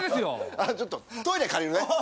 あっちょっとトイレ借りるねああ